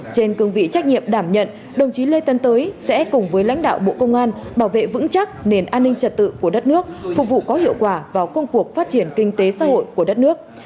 trên cương vị trách nhiệm đảm nhận đồng chí lê tân tới sẽ cùng với lãnh đạo bộ công an bảo vệ vững chắc nền an ninh trật tự của đất nước phục vụ có hiệu quả vào công cuộc phát triển kinh tế xã hội của đất nước